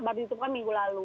baru itu kan minggu lalu